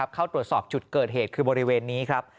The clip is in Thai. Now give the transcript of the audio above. เข้าตรวจสอบจุดเกิดเหตุคือบริเวณนี้ครับ